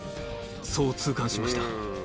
そう痛感しました。